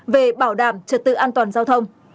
về bảo đảm trật tự an toàn giao thông